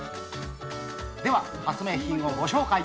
では、発明品をご紹介。